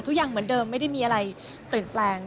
ทุกอย่างเหมือนเดิมไม่ได้มีอะไรเปลี่ยนแปลง